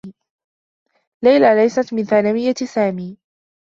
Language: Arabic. ليلى ليست من ثانويّة سامي.